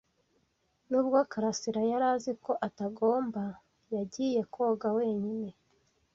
Nubwo karasira yari azi ko atagomba, yagiye koga wenyine.